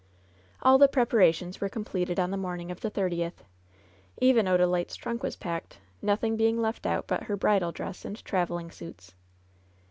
All the preparations were completed on the morning of the thirtieth. Even Odalite^s trunk was packed, noth ing being left out but her bridal dress and traveling suits.